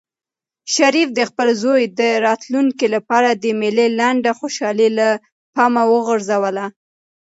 شریف د خپل زوی د راتلونکي لپاره د مېلې لنډه خوشحالي له پامه وغورځوله.